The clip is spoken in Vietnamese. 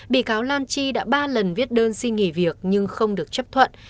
bị cáo lan chi đã ba lần viết đơn xin nghỉ việc nhưng không được chấp thuận